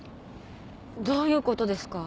どういうことですか？